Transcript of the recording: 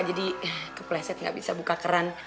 jadi kepleset gak bisa buka keran